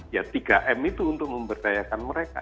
ya tiga m itu untuk memberdayakan mereka